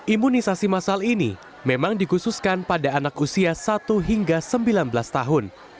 imunisasi masal ini memang dikhususkan pada anak usia satu hingga sembilan belas tahun